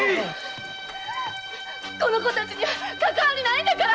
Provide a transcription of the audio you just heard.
この子たちにはかかわりないんだから！